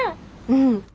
うん。